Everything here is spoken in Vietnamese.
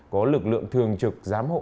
có lực lượng thường trực giám hộ